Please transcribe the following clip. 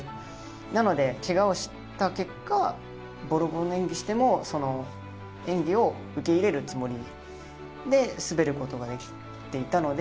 なのでケガをした結果ぼろぼろの演技しても演技を受け入れるつもりで滑ることができていたので。